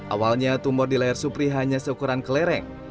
awalnya tumor di layar supri hanya seukuran kelereng